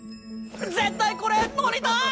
絶対これ乗りたい！